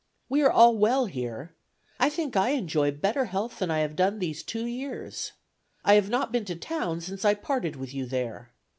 ... "We are all well here. I think I enjoy better health than I have done these two years. I have not been to town since I parted with you there.